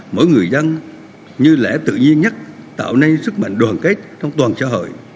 mỗi người dân như lẽ tự nhiên nhất tạo nên sức mạnh đoàn kết trong toàn xã hội